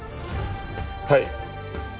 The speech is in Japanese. はい。